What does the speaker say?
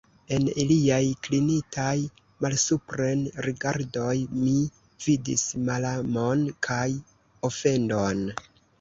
En iliaj klinitaj malsupren rigardoj mi vidis malamon kaj ofendon.